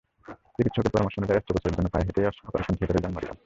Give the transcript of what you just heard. চিকিৎসকের পরামর্শ অনুযায়ী অস্ত্রোপচারের জন্য পায়ে হেঁটেই অপারেশন থিয়েটারে যান মরিয়ম।